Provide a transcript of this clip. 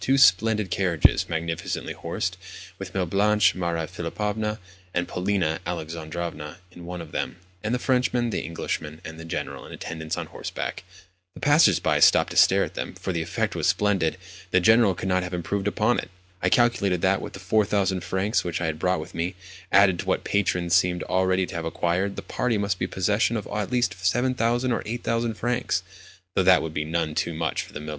Two splendid carriages, magnificently horsed, with Mlle. Blanche, Maria Philipovna, and Polina Alexandrovna in one of them, and the Frenchman, the Englishman, and the General in attendance on horseback! The passers by stopped to stare at them, for the effect was splendid—the General could not have improved upon it. I calculated that, with the 4000 francs which I had brought with me, added to what my patrons seemed already to have acquired, the party must be in possession of at least 7000 or 8000 francs—though that would be none too much for Mlle.